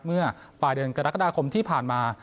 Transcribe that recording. เมื่อปลายเดือนกรกฎาคมที่ผ่านมา